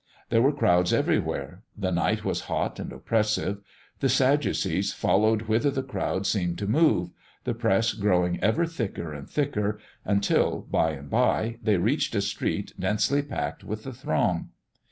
There were crowds everywhere. The night was hot and oppressive. The sadducees followed whither the crowd seemed to move, the press growing ever thicker and thicker, until, by and by, they reached a street densely packed with the throng.